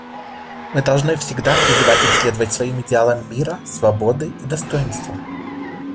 Мы должны всегда призывать их следовать своим идеалам мира, свободы и достоинства.